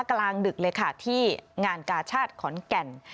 กลางดึกเลยค่ะที่งานกาชาติขอนแก่น